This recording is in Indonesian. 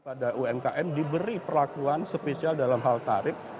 pada umkm diberi perlakuan spesial dalam hal tarif